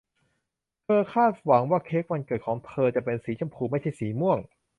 เธอคาดหวังว่าเค้กวันเกิดของเธอจะเป็นสีชมพูไม่ใช่สีม่วง